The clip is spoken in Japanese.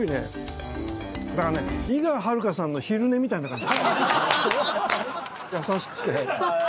だからね井川遥さんの昼寝みたいな感じ。